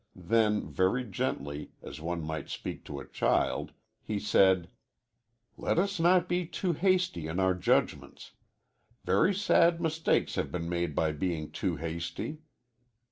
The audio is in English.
Then, very gently, as one might speak to a child, he said: "Let us not be too hasty in our judgments. Very sad mistakes have been made by being too hasty."